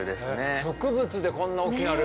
植物でこんな大きなる？